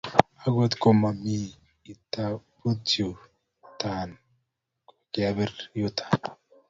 akot koma mii itondab yu-turn, kokiobir yu-turn